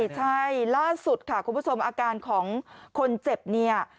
ใช่ล่าสุดค่ะคุณผู้ชมอาการของคนเจ็บเนี่ย